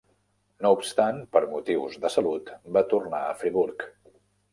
No obstant, per motius de salut, va tornar a Friburg.